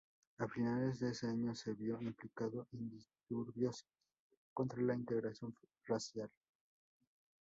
A finales de ese año se vio implicado en disturbios contra la integración racial.